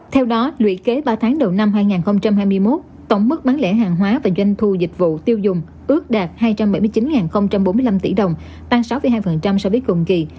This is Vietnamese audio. theo đó lũy kế ba tháng đầu năm hai nghìn hai mươi một tổng mức bán lẻ hàng hóa và doanh thu dịch vụ tiêu dùng ước đạt hai trăm bảy mươi chín bốn mươi năm tỷ đồng tăng sáu hai so với cùng kỳ